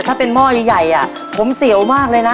ถ้าเป็นหม้อใหญ่ผมเสียวมากเลยนะ